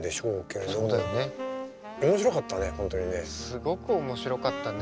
すごく面白かったね。